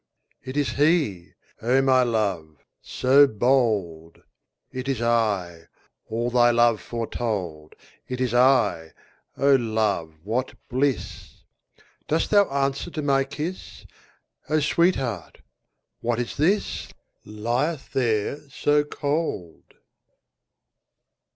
It is he—O my love! So bold! It is I—all thy love Foretold! 20 It is I—O love, what bliss! Dost thou answer to my kiss? O sweetheart! what is this Lieth there so cold?